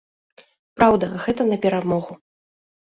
Праўда, гэта на перамогу.